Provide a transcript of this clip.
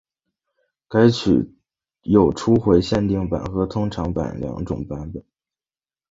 该单曲有初回限定版和通常版两种版本。